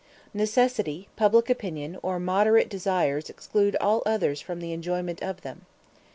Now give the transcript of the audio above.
Necessity, public opinion, or moderate desires exclude all others from the enjoyment of them.